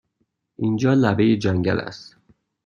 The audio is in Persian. اینجا لبه جنگل است!